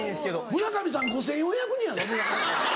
村上さん５４００人やぞ村上。